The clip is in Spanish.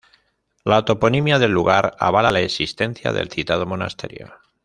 La toponimia del lugar avala la existencia del citado monasterio.